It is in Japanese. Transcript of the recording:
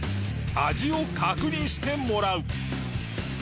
味を確認してもらう